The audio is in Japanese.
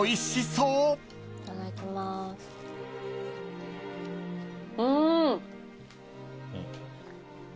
うん。